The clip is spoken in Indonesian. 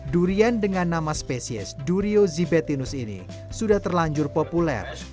durian dengan nama spesies durio zibetinus ini sudah terlanjur populer